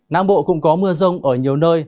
nam bộ cũng có mưa rông ở nhiều nơi